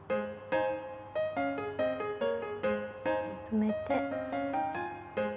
止めて。